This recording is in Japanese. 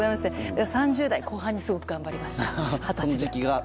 ３０代後半にすごく頑張りました。